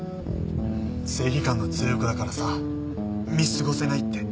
正義感の強い子だからさ見過ごせないって。